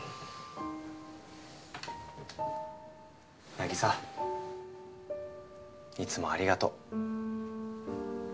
凪沙いつもありがとう。